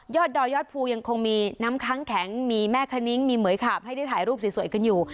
ดอยยอดภูยังคงมีน้ำค้างแข็งมีแม่คณิ้งมีเหมือยขาบให้ได้ถ่ายรูปสวยกันอยู่